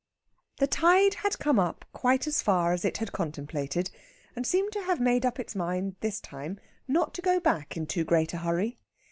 The tide had come up quite as far as it had contemplated, and seemed to have made up its mind this time not to go back in too great a hurry.